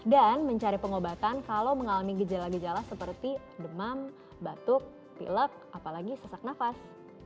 dan mencari pengobatan kalau mengalami gejala gejala seperti demam batuk pilek apalagi sesak nafas